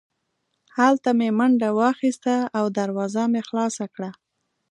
هلته مې منډه واخیسته او دروازه مې خلاصه کړه